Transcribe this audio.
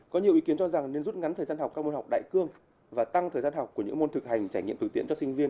có nhiều ý kiến cho rằng nên rút ngắn thời gian học các môn học đại cương và tăng thời gian học của những môn thực hành trải nghiệm tử tiện cho sinh viên